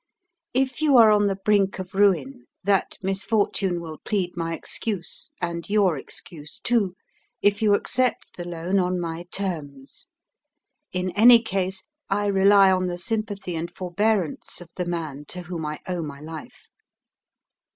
If you are on the brink of ruin that misfortune will plead my excuse and your excuse too, if you accept the loan on my terms. In any case, I rely on the sympathy and forbearance of the man to whom I owe my life.